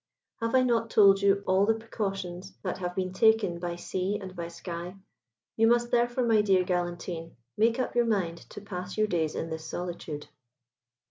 Have I not told you all the precautions that have been taken by sea and by sky. You must, therefore, my dear Galantine, make up your mind to pass your days in this solitude."